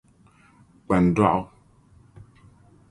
kpan'dɔɣu.